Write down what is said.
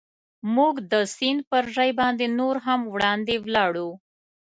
موږ د سیند پر ژۍ باندې نور هم وړاندې ولاړو.